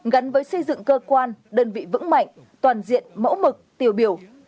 gắn với xây dựng cơ quan đơn vị vững mạnh toàn diện mẫu mực tiêu biểu